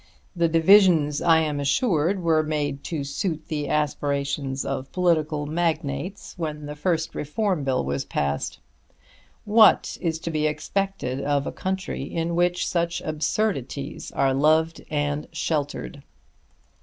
The divisions I am assured were made to suit the aspirations of political magnates when the first Reform Bill was passed! What is to be expected of a country in which such absurdities are loved and sheltered?